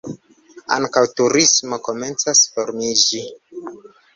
Ankaŭ turismo komencas formiĝi.